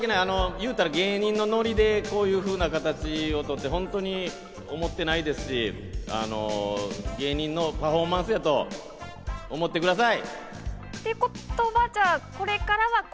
言うたら芸人のノリで、こういうふうな形をとってホントに思ってないですし、芸人のパフォーマンスやと思ってください。